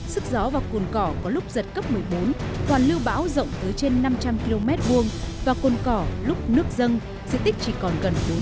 sức gió vào cồn cỏ có lúc giật cấp một mươi bốn toàn lưu bão rộng tới trên năm trăm linh km vuông và cồn cỏ lúc nước dân diện tích chỉ còn gần bốn km vuông